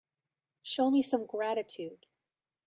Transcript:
Show me some gratitude.